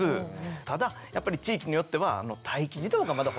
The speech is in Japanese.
ただやっぱり地域によっては待機児童がまだ保育所いるでしょ？